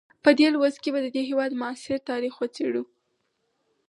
په دې لوست کې به د دې هېواد معاصر تاریخ وڅېړو.